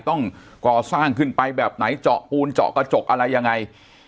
ต้องก่อสร้างขึ้นไปแบบไหนเจาะปูนเจาะกระจกอะไรยังไง